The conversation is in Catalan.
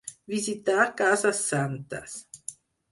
Visitar cases santes.